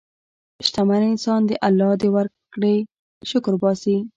شتمن انسان د الله د ورکړې شکر وباسي.